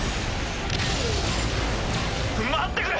待ってくれ！